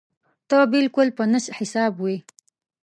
ته بالکل په نشت حساب وې.